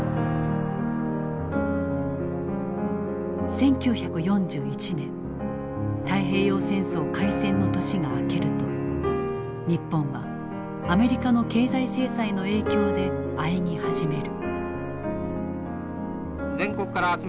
１９４１年太平洋戦争開戦の年が明けると日本はアメリカの経済制裁の影響であえぎ始める。